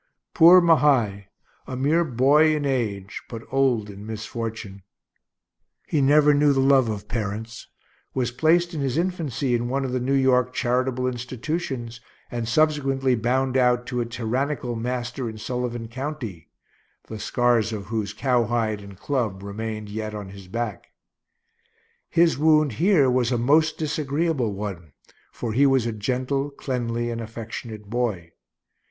Poor Mahay, a mere boy in age, but old in misfortune, he never knew the love of parents, was placed in his infancy in one of the New York charitable institutions, and subsequently bound out to a tyrannical master in Sullivan county (the scars of whose cowhide and club remained yet on his back). His wound here was a most disagreeable one, for he was a gentle, cleanly, and affectionate boy.